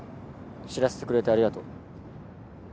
知らせてくれてありがとう。